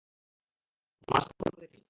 মাছ তো কখনো দেখিনি।